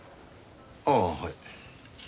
ああはい。